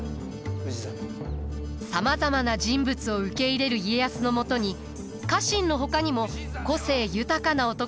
さまざまな人物を受け入れる家康のもとに家臣のほかにも個性豊かな男たちが集います。